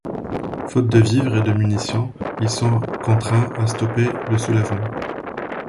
Faute de vivres et de munitions, ils sont contraints à stopper le soulèvement.